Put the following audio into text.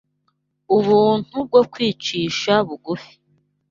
ubuntu bwo kwicisha bugufi